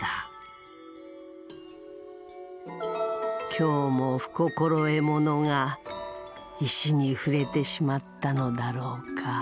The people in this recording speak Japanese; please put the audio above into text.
今日も不心得者が石に触れてしまったのだろうか。